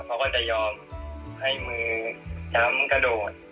เขาก็จะยอมให้มือช้ำกระโดด